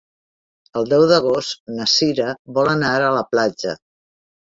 El deu d'agost na Sira vol anar a la platja.